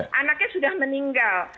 karena anaknya sudah meninggal